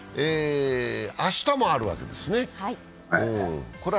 明日もあるわけですね。